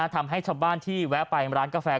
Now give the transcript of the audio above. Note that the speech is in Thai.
ทำให้ชาวบ้านที่แวะไปร้านกาแฟ